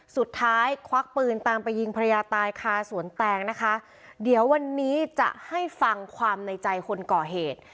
ควักปืนตามไปยิงภรรยาตายคาสวนแตงนะคะเดี๋ยววันนี้จะให้ฟังความในใจคนก่อเหตุ